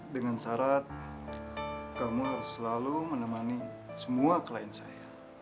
dengan syarat kamu harus selalu menemani semua klien saya